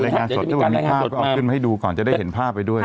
เอาขึ้นมาให้ดูก่อนจ้าได้เห็นภาพไปด้วย